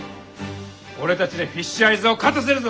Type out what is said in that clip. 俺たちでフィッシュアイズを勝たせるぞ！